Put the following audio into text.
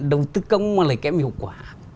đầu tư công mà lại kém hiệu quả